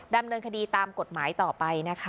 ดำเนินคดีตามกฎหมายต่อไปนะคะ